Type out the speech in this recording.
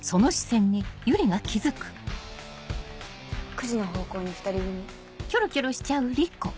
９時の方向に２人組。